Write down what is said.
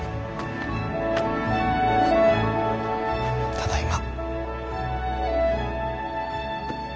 ただいま。